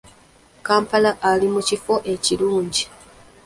Kampala ali mu kifo ekirungi .